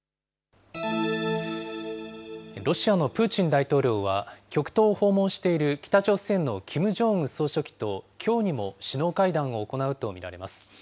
ロシアのプーチン大統領は、極東を訪問している北朝鮮のキム・ジョンウン総書記と、きょうにも首脳会談を行うと見られます。